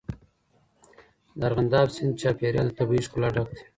د ارغنداب سیند چاپېریال د طبیعي ښکلا ډک دی.